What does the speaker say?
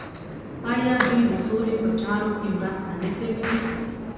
آیا دوی د سولې په چارو کې مرسته نه کوي؟